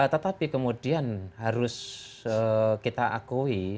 tetapi kemudian harus kita akui